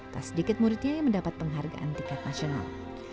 tak sedikit muridnya yang mendapat penghargaan tiket nasional